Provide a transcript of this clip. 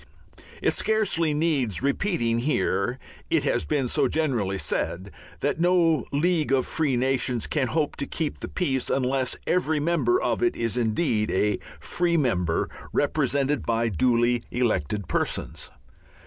It scarcely needs repeating here it has been so generally said that no League of Free Nations can hope to keep the peace unless every member of it is indeed a free member, represented by duly elected persons.